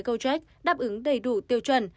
gojek đáp ứng đầy đủ tiêu chuẩn